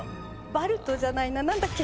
バルトじゃないななんだっけ？